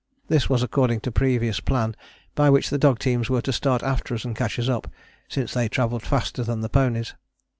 This was according to previous plan by which the dog teams were to start after us and catch us up, since they travelled faster than the ponies.